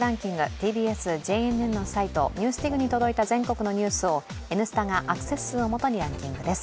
ＴＢＳ・ＪＮＮのサイト「ＮＥＷＳＤＩＧ」が今日の昼までにお届けした全国のニュースを「Ｎスタ」がアクセス数をもとにランキングです。